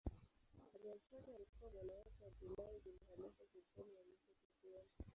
Aliyemfuata alikuwa mwana wake Abdullah bin Khalifa sultani wa mwisho kisiwani.